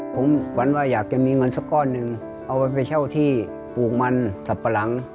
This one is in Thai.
ผมฝันว่าอยากจะมีเงินสักก้อนหนึ่งเอาไปเช่าที่ปลูกมันสับปะหลัง